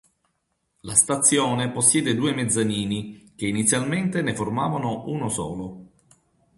La stazione possiede due mezzanini, che inizialmente ne formavano uno solo.